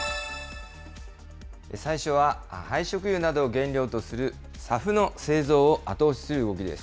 最初は廃食油などを原料とするＳＡＦの製造を後押しする動きです。